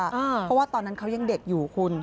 เพราะว่าตอนนั้นเขายังเด็กอยู่คุณ